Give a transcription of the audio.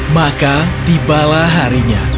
maka tibalah harinya